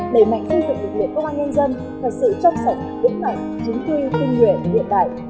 đẩy mạnh xây dựng lực lượng công an nhân dân thật sự trong sổng đứng mạnh chính quy kinh nguyện điện đại